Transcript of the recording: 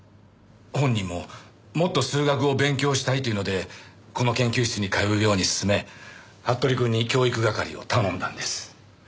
本人ももっと数学を勉強したいと言うのでこの研究室に通うように勧め服部くんに教育係を頼んだんです。